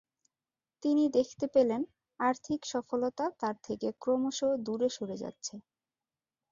তিনি দেখতে পেলেন আর্থিক সফলতা তার থেকে ক্রমশ দূরে সরে যাচ্ছে।